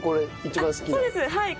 そうですはい。